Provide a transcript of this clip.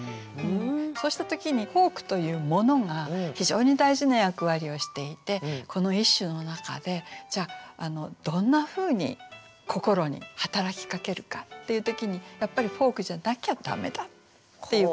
そうした時にフォークというものが非常に大事な役割をしていてこの一首の中でじゃあどんなふうに心に働きかけるかっていう時にやっぱりフォークじゃなきゃ駄目だっていうことなんですね。